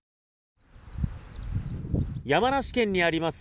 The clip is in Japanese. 山梨県にあります